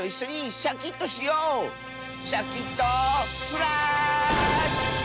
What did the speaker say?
シャキットフラーッシュ！